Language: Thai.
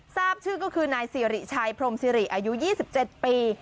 ทราบชื่อก็คือนายสิริชัยพรมสิริอายุ๒๗ปี